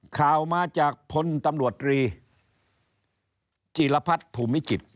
ข่าวมาจากพลตำรวจรีจีรพัฒน์ภูมิจิต